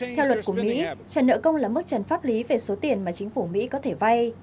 theo luật của mỹ trả nợ công là mức trần pháp lý về số tiền mà chính phủ mỹ có thể vay